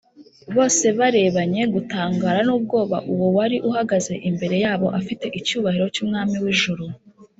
bose barebanye gutangara n’ubwoba uwo wari uhagaze imbere yabo afite icyubahiro cy’umwami w’ijuru